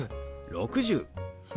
６０。